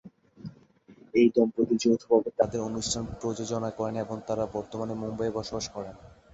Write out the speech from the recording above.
এই দম্পতি যৌথভাবে তাঁদের অনুষ্ঠান প্রযোজনা করেন এবং তাঁরা বর্তমানে মুম্বইয়ে বসবাস করেন।